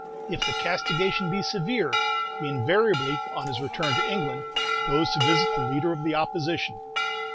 If the castigation be severe, he invariably, on his return to England, goes to visit the Leader of the Opposition.